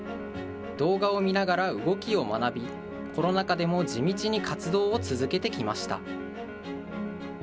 動画を見ながら動きを学び、コロナ禍でも地道に活動を続けてきました。